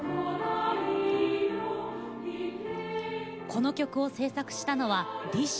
この曲を制作したのはＤＩＳＨ／／。